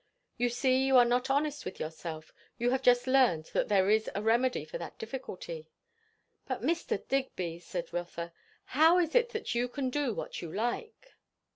"You see you are not honest with yourself. You have just learned that there is a remedy for that difficulty." "But Mr. Digby," said Rotha, "how is it that you can do what you like?"